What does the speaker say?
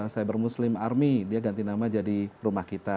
cyber muslim army dia ganti nama jadi rumah kita